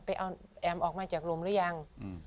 ไปเอาแอ๋มออกมาจากหลุมหรือยัง